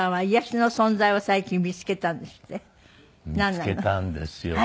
見つけたんですよそれが。